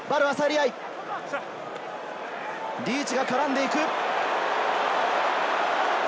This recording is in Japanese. リーチが絡んでいく。